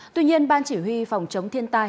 tuy nhiên ban chỉ huy phòng chống thiên tai